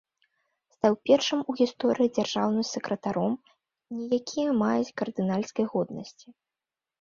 Стаў першым у гісторыі дзяржаўным сакратаром, не якія маюць кардынальскай годнасці.